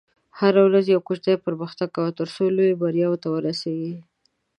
هره ورځ یو کوچنی پرمختګ کوه، ترڅو لویو بریاوو ته ورسېږې.